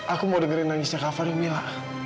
aku mau dengerin nangisnya kava dulu mila